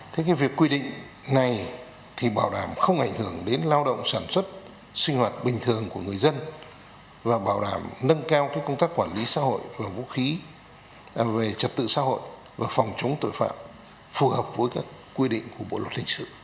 thế cái việc quy định này thì bảo đảm không ảnh hưởng đến lao động sản xuất sinh hoạt bình thường của người dân và bảo đảm nâng cao cái công tác quản lý xã hội và vũ khí về trật tự xã hội và phòng chống tội phạm phù hợp với các quy định của bộ luật hình sự